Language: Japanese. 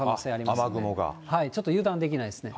ちょっと油断できないですね。